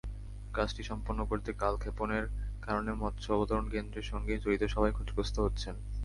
কাজটি সম্পন্ন করতে কালক্ষেপণের কারণে মৎস্য অবতরণকেন্দ্রের সঙ্গে জড়িত সবাই ক্ষতিগ্রস্ত হচ্ছেন।